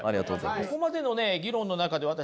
ここまでのね議論の中で私